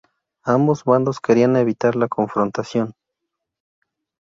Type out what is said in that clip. Ambos bandos querían evitar la confrontación.